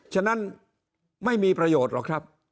ฉะนั้นไม่มีประโยชน์หรอกครับ